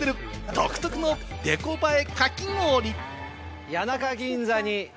独特のデコ映えかき氷。